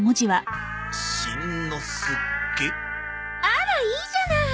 あらいいじゃない。